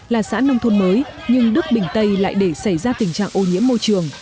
là xã nông thôn mới nhưng đức bình tây lại để xảy ra tình trạng ô nhiễm môi trường